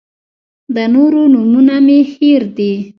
د نورو نومونه مې هېر دي.